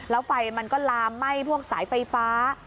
แล้วไฟมันก็ลามไหม้พวกสายไฟฟ้า